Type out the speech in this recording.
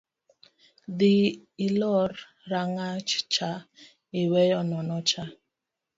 Dhii ilor rangach ma iweyo nono cha